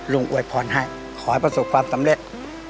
ลุงก็อวยพอนให้ขอให้ประสุขความสำเร็จ